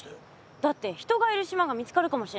だって人がいる島が見つかるかもしれないし。